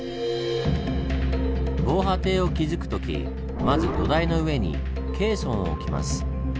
防波堤を築く時まず土台の上にケーソンを置きます。